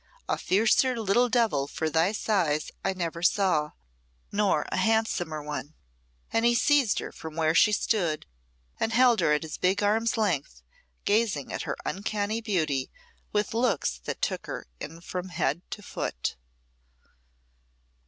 A fiercer little devil for thy size I never saw nor a handsomer one." And he seized her from where she stood, and held her at his big arms' length, gazing at her uncanny beauty with looks that took her in from head to foot.